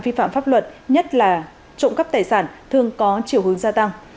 vi phạm pháp luật nhất là trộm cắp tài sản thường có chiều hướng gia tăng